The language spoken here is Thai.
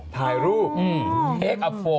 ถ่ายรูเอ็กซ์อัพโฟ